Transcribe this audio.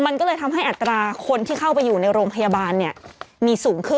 นี่นี่นี่นี่นี่นี่นี่นี่นี่นี่